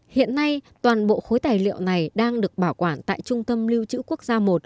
hiện nay toàn bộ khối tài liệu này đang được bảo quản tại trung tâm lưu trữ quốc gia i